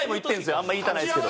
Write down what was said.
あんま言いたないですけど。